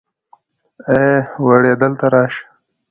ای وړې دلته راشه.